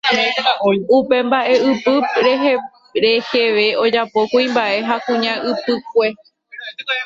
Upe mbaʼeʼypy reheve ojapo kuimbaʼe ha kuña ypykue.